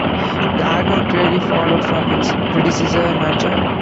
The album clearly followed from its predecessor "Man-Child".